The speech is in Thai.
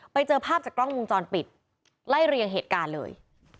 ไปเจอภาพจากกล้องวงจรปิดไล่เรียงเหตุการณ์เลย